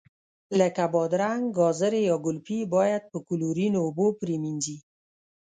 لکه بادرنګ، ګازرې یا ګلپي باید په کلورین اوبو پرېمنځي.